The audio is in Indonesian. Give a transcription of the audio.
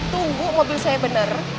tunggu mobil saya bener